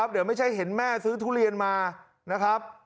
เดี๋ยวไม่ใช่เห็นแม่ซื้อทุเรียนมานะครับ